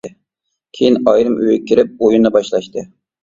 كېيىن ئايرىم ئۆيگە كىرىپ ئويۇننى باشلاشتى.